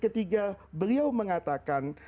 tiga beliau mengatakan